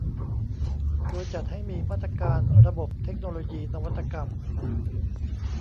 โดยจัดให้มีมาตรการระบบเทคโนโลยีนวัตกรรม